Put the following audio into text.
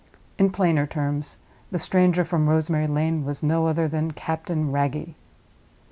In plainer terms, the stranger from Rosemary Lane was no other than—Captain Wragge.